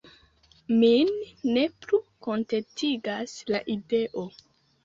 Min ne plu kontentigas la ideo!